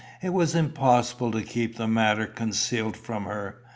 It was impossible to keep the matter concealed from her.